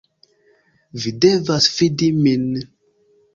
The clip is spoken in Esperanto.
Vi devas fidi min.